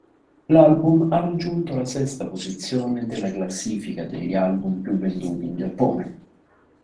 L'album ha raggiunto la sesta posizione della classifica degli album più venduti in Giappone.